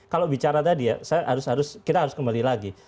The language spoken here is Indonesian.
kalau bicara tadi ya harus kita harus kembali lagi